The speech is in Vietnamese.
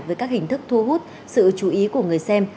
với các hình thức thu hút sự chú ý của người xem